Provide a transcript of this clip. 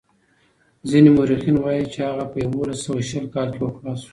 ځینې مورخین وايي چې هغه په یوولس سوه شل کال کې وفات شو.